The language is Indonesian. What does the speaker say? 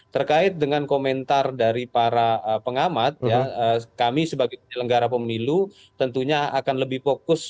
terkait dengan komentar dari para pengamat ya kami sebagai penyelenggara pemilu tentunya akan lebih fokus